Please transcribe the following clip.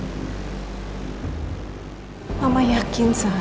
kamu pasti sudah tidak percaya diri seperti sebelumnya